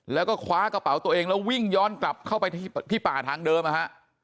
แล้วก็คว้ากระเป๋าตัวเองแล้ววิ่งย้อนกลับเข้าไปที่ป่าทางเดิมนะฮะ